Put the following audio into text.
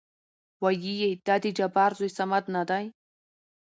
ويېېې دا د جبار زوى صمد نه دى ؟